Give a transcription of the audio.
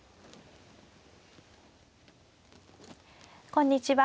こんにちは。